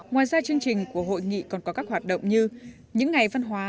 ngoài ra chương trình của hội nghị còn có các hoạt động như những ngày văn hóa